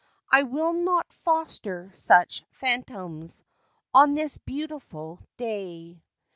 I will not foster such phantoms On this beautiful day.